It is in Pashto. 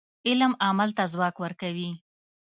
علم عمل ته ځواک ورکوي.